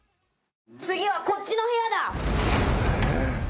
次はこっちの部屋だ。